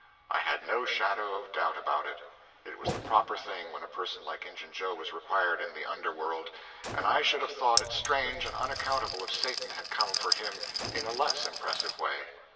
I had no shadow of doubt about it. It was the proper thing when a person like Injun Joe was required in the under world, and I should have thought it strange and unaccountable if Satan had come for him in a less impressive way.